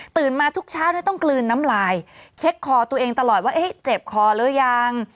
มาทุกเช้าต้องกลืนน้ำลายเช็คคอตัวเองตลอดว่าเจ็บคอหรือยัง